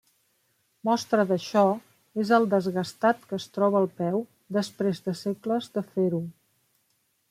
Mostra d'això és el desgastat que es troba el peu després de segles de fer-ho.